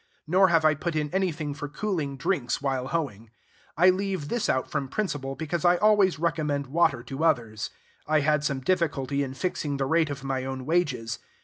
Nor have I put in anything for cooling drinks while hoeing. I leave this out from principle, because I always recommend water to others. I had some difficulty in fixing the rate of my own wages.